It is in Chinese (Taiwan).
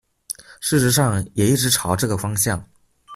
事實上也一直朝這個方向